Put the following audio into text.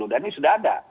dan ini sudah ada